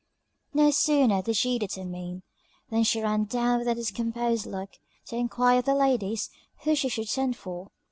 No sooner did she determine, than she ran down with a discomposed look, to enquire of the ladies who she should send for.